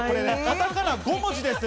カタカナ５文字です。